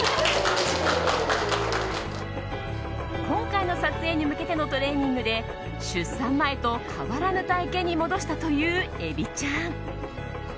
今回の撮影に向けてのトレーニングで出産前と変わらぬ体形に戻したというエビちゃん。